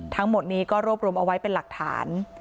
ทั้งหมดนี้ก็รวบรวมเอาไว้เป็นหลักฐาน